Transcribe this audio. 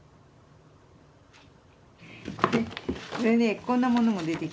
こんなものも出てきたけど。